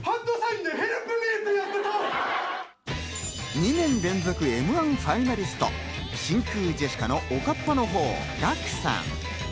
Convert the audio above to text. ２年連続М‐１ファイナリスト、真空ジェシカのおかっぱのほう、ガクさん。